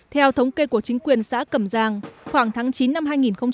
theo thống kê của chính quyền xã cầm giang khoảng tháng chín năm hai nghìn một mươi tám